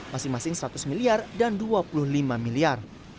masing masing seratus miliar dan dua puluh lima miliar